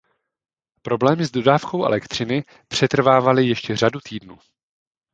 Problémy s dodávkou elektřiny přetrvávaly ještě řadu týdnů.